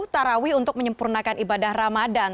tarawih untuk menyempurnakan ibadah ramadan